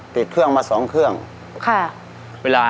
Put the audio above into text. ติดเครื่องมา๒เครื่องครับค่ะ